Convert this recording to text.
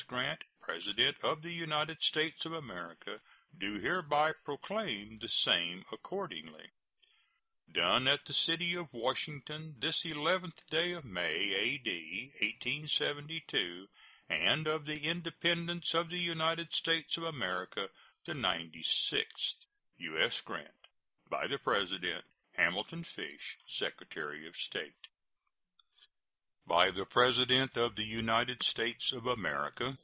Grant, President of the United States of America, do hereby proclaim the same accordingly. [SEAL.] Done at the city of Washington, this 11th day of May, A.D. 1872, and of the Independence of the United States of America the ninety sixth. U.S. GRANT. By the President: HAMILTON FISH, Secretary of State. BY THE PRESIDENT OF THE UNITED STATES OF AMERICA.